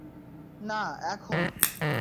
না, এখন।